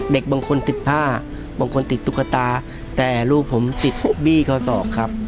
เด็กบางคนติดผ้าบางคนติดตุ๊กตาแต่ลูกผมติดบี้ข้อศอกครับ